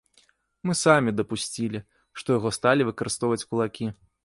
Мы самі дапусцілі, што яго сталі выкарыстоўваць кулакі.